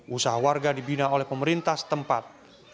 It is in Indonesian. usaha warga dibina oleh pemerintah setempat